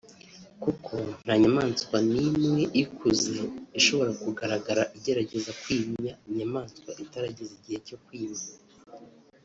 kuko nta nyamaswa n’imwe ikuze ishobora kugaragara igerageza kwimya inyamaswa itarageza igihe cyo kwima